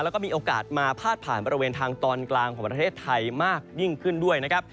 แล้วก็มีโอกาสมาพาดผ่านบริเวณทางตอนกลางของประเทศไทยมากยิ่งขึ้นด้วยนะครับ